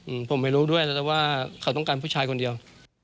อืมผมไม่รู้ด้วยแต่ว่าเขาต้องการผู้ชายคนเดียว